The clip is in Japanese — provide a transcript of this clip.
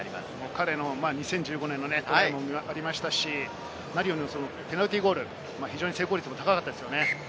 彼の２０１５年のもありましたし、何よりもペナルティーゴール、非常に成功率が高かったですよね。